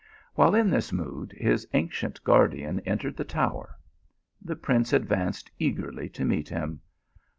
While in this mood his ancient guardian entered the tower. The prince advanced eagerly to meet him.